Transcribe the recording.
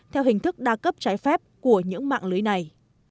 theo hình thức đa cấp trái phép của những mạng lưới này